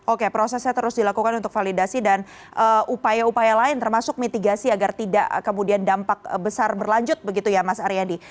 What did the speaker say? oke prosesnya terus dilakukan untuk validasi dan upaya upaya lain termasuk mitigasi agar tidak kemudian dampak besar berlanjut begitu ya mas ariyandi